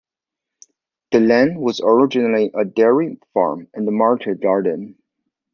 The land was originally a dairy farm and market garden.